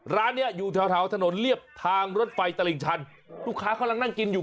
ร้านเนี้ยอยู่แถวแถวถนนเรียบทางรถไฟตลิ่งชันลูกค้ากำลังนั่งกินอยู่